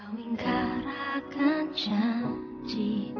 kamu ingkar akan janji